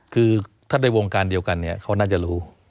คือถ้าในวงการเดียวกันเนี่ยเขาน่าจะรู้